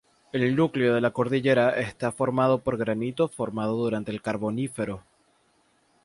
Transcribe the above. El núcleo de la cordillera está formado por granito formado durante el Carbonífero.